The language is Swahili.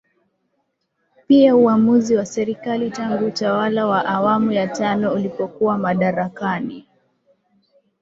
pia uamuzi wa serikali tangu utawala wa awamu ya tano ulipokuwa madarakani